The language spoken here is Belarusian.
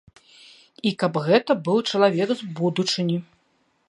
І каб гэта быў чалавек з будучыні.